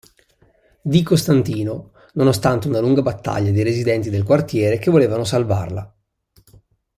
D. Costantino nonostante una lunga battaglia dei residenti del quartiere che volevano salvarla..